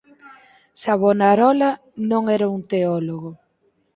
Savonarola non era un teólogo.